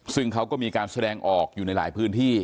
ซึ่งเขาก็มีการแสดงออกอยู่ในหลายพื้นที่